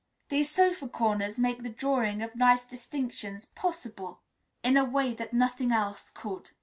These sofa corners make the drawing of nice distinctions possible in a way that nothing else could.